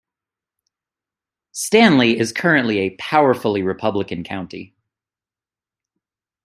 Stanly is currently a powerfully Republican county.